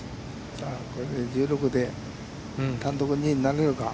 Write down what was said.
これで１６で、単独２位になれるか。